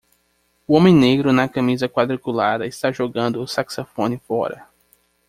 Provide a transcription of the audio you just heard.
O homem negro na camisa quadriculada está jogando o saxofone fora.